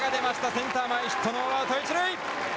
センター前ヒットノーアウト一塁！